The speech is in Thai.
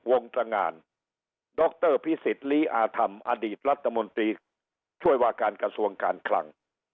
ตรงานดรพิสิทธิลีอาธรรมอดีตรัฐมนตรีช่วยว่าการกระทรวงการคลัง